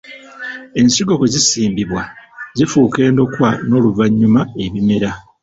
Ensigo bwe zisimbibwa, zifuuka endokwa n'oluvannyuma ebimera.